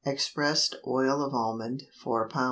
Expressed oil of almond 4 lb.